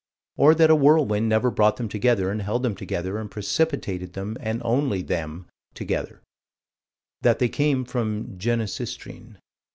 Or that a whirlwind never brought them together and held them together and precipitated them and only them together That they came from Genesistrine.